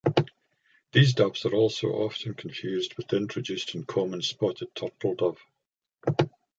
These doves are also often confused with the introduced and common spotted turtle dove.